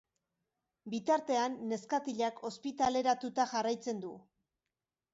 Bitartean, neskatilak ospitaleratuta jarraitzen du.